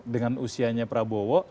dengan usianya prabowo